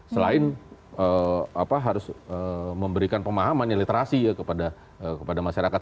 selain harus memberikan pemahaman dan literasi kepada masyarakat